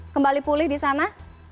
kembali pulih di sana